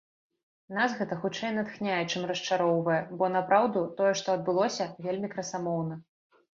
Нас гэта хутчэй натхняе, чым расчароўвае, бо, напраўду, тое, што адбылося вельмі красамоўна.